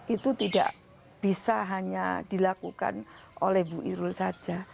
itu tidak bisa hanya dilakukan oleh bu irul saja